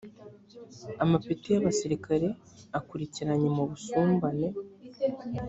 amapeti y abasirikare akurikiranye mu busumbane